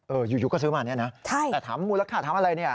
อยู่ก็ซื้อมาเนี่ยนะใช่แต่ถามมูลค่าถามอะไรเนี่ย